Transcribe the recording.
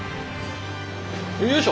よいしょ！